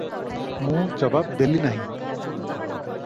ମୁଁ ଜବାବ ଦେଲି ନାହିଁ ।